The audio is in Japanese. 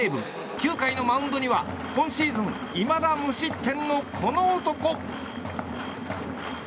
９回のマウンドには今シーズンいまだ無失点のこの男。